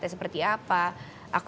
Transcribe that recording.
dia juga ngerti apa itu